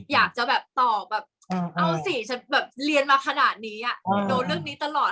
อยากจะแบบตอบแบบเอาสิฉันแบบเรียนมาขนาดนี้โดนเรื่องนี้ตลอด